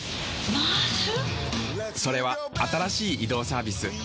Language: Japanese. それは新しい移動サービス「ＭａａＳ」。